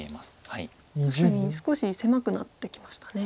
確かに少し狭くなってきましたね。